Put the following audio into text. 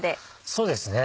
そうですね。